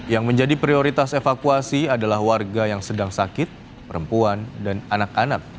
yang menjadi prioritas evakuasi adalah warga yang sedang sakit perempuan dan anak anak